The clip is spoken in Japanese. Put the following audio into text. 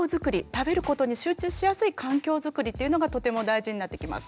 食べることに集中しやすい環境づくりっていうのがとても大事になってきます。